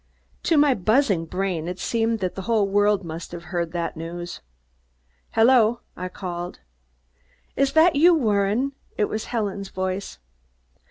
To my buzzing brain it seemed that the whole world must have heard the news. "Hello," I called. "Is that you, Warren?" It was Helen's voice.